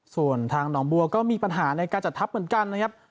ส่วนทางหนองบัวก็มีปัญหาในการจัดทัพเหมือนกันนะครับ